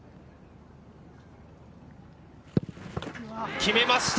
決めました！